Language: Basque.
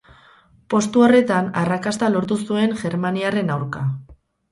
Postu horretan arrakasta lortu zuen germaniarren aurka.